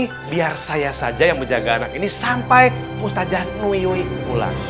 jadi biar saya saja yang menjaga anak ini sampai ustadz jatnuyuyulang